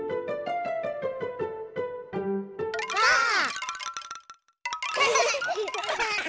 ばあっ！